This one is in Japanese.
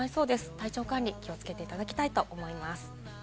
体調管理に気をつけていただきたいと思います。